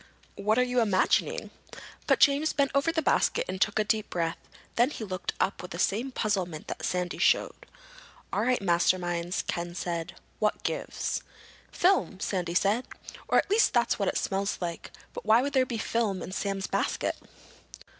"What are you imagining?" But James bent over the basket and took a deep breath. Then he looked up with the same puzzlement that Sandy showed. "All right, masterminds," Ken said. "What gives?" "Film," Sandy said. "Or at least that's what it smells like. But why would there be film in Sam's basket?"